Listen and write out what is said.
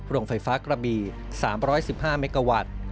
โรงไฟฟ้ากระบี๓๑๕เมกาวัตต์